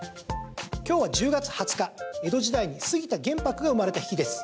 今日は１０月２０日江戸時代に杉田玄白が生まれた日です。